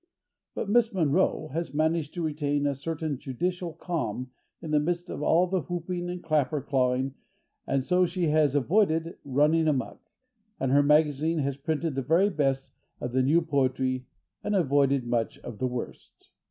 But Miss Monroe has managed to retain a certain judicial calm in the midst of all the whooping and clapper clawing, and so she has avoided running amuck, and her magazine has printed the very best of the new poetry and avoided much of the worst.